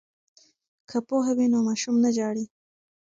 که پوهه وي نو ماشوم نه ژاړي.